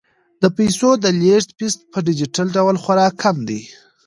د پيسو د لیږد فیس په ډیجیټل ډول خورا کم دی.